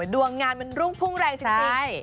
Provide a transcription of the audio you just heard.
ดวงงานมันรุ่งพุ่งแรงจริง